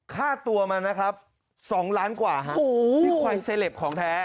ค่าตัวมานะครับ๒ล้านกว่าฮะควายเซลปของแท้